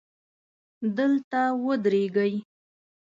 دلته ودرېږئ